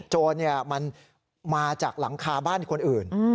โจรมันมาจากหลังคาบ้านคนอื่น